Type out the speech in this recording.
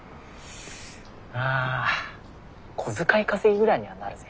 まあ小遣い稼ぎぐらいにはなるぜ。